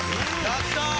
やったー！